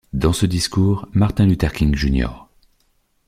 Dans ce discours, Martin Luther King, Jr.